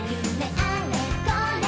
「あれこれ